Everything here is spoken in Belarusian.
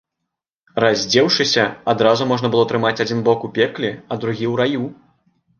Раздзеўшыся, адразу можна было трымаць адзін бок у пекле, а другі ў раю.